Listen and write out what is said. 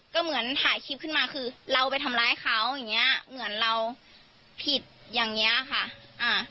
ก็เหมือนถ่ายคลิปขึ้นมาคือเราไปทำร้ายเขาอย่างเงี้ยเหมือนเราผิดอย่างเงี้ยค่ะอ่า